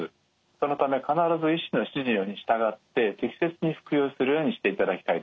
そのため必ず医師の指示に従って適切に服用するようにしていただきたいですね。